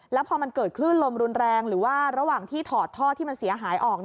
แล้วพอมันเกิดคลื่นลมรุนแรงหรือว่าระหว่างที่ถอดท่อที่มันเสียหายออก